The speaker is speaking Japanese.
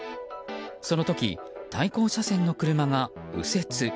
その時、対向車線の車が右折。